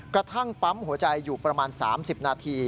กระทั่งปั๊มหัวใจอยู่ประมาณ๓๐นาที